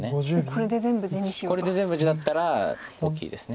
これで全部地だったら大きいです。